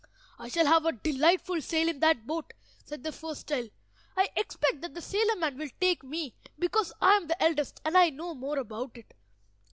"I shall have a delightful sail in that boat," said the first child. "I expect that the sailor man will take me, because I am the eldest and I know more about it.